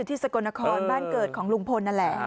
สกลนครบ้านเกิดของลุงพลนั่นแหละ